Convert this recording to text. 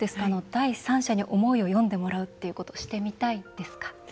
第三者に思いを詠んでもらうっていうことしてみたいですか？